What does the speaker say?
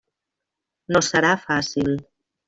No serà fàcil.